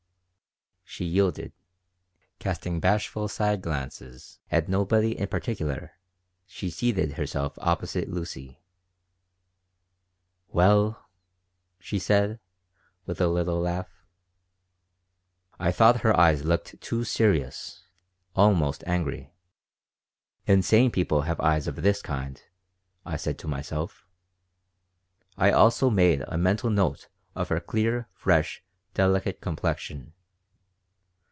She yielded. Casting bashful side glances at nobody in particular, she seated herself opposite Lucy "Well?" she said, with a little laugh I thought her eyes looked too serious, almost angry. "Insane people have eyes of this kind," I said to myself. I also made a mental note of her clear, fresh, delicate complexion.